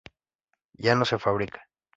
Ya no se fabrica.